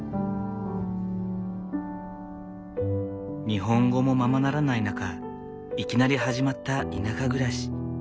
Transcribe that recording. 日本語もままならない中いきなり始まった田舎暮らし。